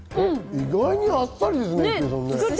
意外にあっさりですね、これ。